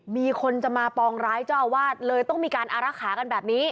มีคนจะมาปองร้ายเจ้าอาวาสเลยต้องมีการอารักษากันแบบนี้